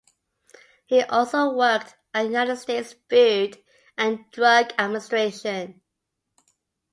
He also worked at the United States Food and Drug Administration.